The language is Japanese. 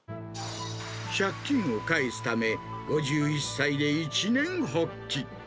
借金を返すため、５１歳で一念発起。